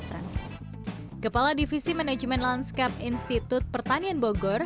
kepala divisi manajemen landscape institut pertanian bogor